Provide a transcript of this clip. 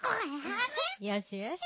よしよし。